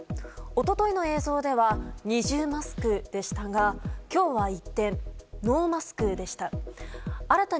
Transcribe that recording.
一昨日の映像では二重マスクでしたが今日は一転、ノーマスクでした。